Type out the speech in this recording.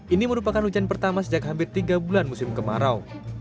ini merupakan hujan pertama sejak hampir tiga bulan musim kemarau